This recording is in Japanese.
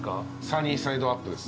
サニーサイドアップです。